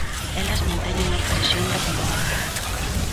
Elas manteñen a cohesión da comunidade.